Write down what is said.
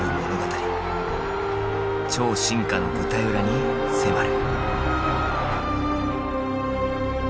超進化の舞台裏に迫る。